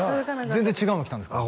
全然違うの来たんですか？